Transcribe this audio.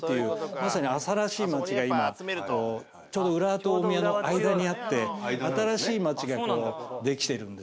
まさに新しい町が今ちょうど浦和と大宮の間にあって新しい町が出来てるんですね。